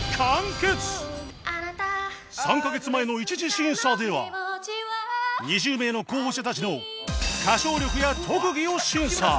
３カ月前の１次審査では２０名の候補者たちの歌唱力や特技を審査